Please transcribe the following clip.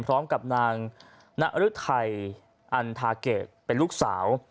พร้อมกับนางนรึทัยอันทาเกรดเป็นลูกสาว